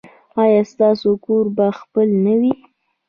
ایا ستاسو کور به خپل نه وي؟